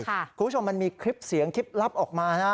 คุณผู้ชมมันมีคลิปเสียงคลิปลับออกมานะ